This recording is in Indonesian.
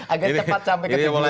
agak cepat sampai ke timbulan